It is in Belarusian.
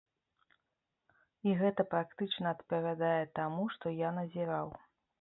І гэта практычна адпавядае таму, што я назіраў.